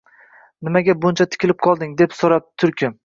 — Nimaga buncha tikilib qolding? — deb so‘rabdi Tulki